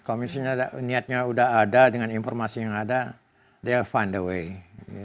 kalau misalnya niatnya sudah ada dengan informasi yang ada mereka akan menemukan jalan